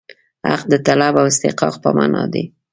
حق د طلب او استحقاق په معنا دی.